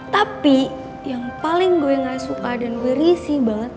tapi yang paling gue ga suka dan gue risih banget